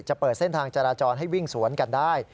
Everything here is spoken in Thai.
จะเปิดเส้นทางจราจรให้วิ่งสวนกันได้